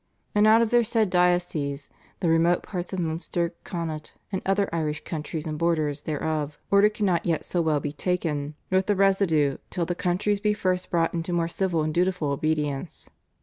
And out of their said dioceses, the remote parts of Munster, Connaught, and other Irish countries and borders thereof order cannot yet so well be taken with the residue till the countries be first brought into more civil and dutiful obedience."